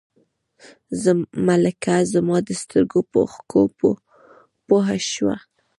ملکه زما د سترګو په اوښکو پوه شوه.